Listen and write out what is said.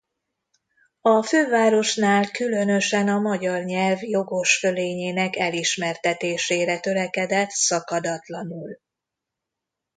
A fővárosnál különösen a magyar nyelv jogos fölényének elismertetésére törekedett szakadatlanul.